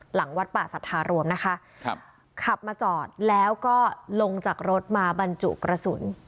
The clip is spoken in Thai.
หลังวัดป่าสัทธารวมนะคะครับขับมาจอดแล้วก็ลงจากรถมาบรรจุกระสุน